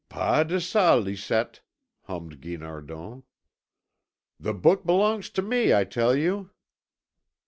"Pas de ça, Lisette" hummed Guinardon. "The book belongs to me, I tell you!"